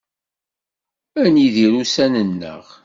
Ad nidir ussan-nneɣ.